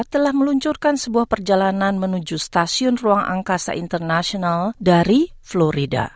telah meluncurkan sebuah perjalanan menuju stasiun ruang angkasa internasional dari florida